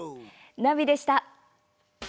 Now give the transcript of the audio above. ナビでした！